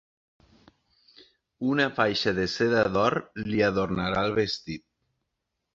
Una faixa de seda d'or li adornarà el vestit.